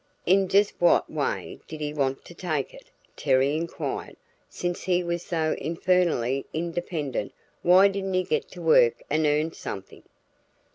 "In just what way did he want to take it?" Terry inquired. "Since he was so infernally independent why didn't he get to work and earn something?"